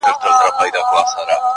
خوري چي روزي خپله ,